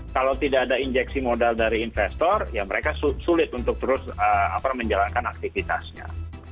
kalau tidak ada injeksi modal dari investor ya mereka sulit untuk terus menjalankan aktivitasnya